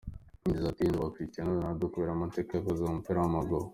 Yagize ati “Nubaha Cristiano Ronaldo kubera amateka yakoze mu mupira w’amaguru.